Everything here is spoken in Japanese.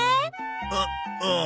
ううん。